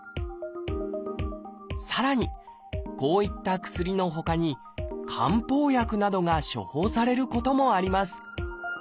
さらにこういった薬のほかに漢方薬などが処方されることもあります